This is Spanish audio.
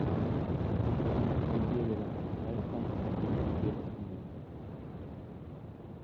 Una calle de la capital sanjuanina lleva su nombre.